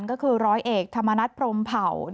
ก็คือร้อยเอกธรรมนัฐพรมเผ่า